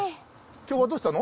今日はどうしたの？